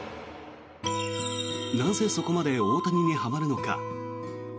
なぜ、そこまで大谷にはまるのか。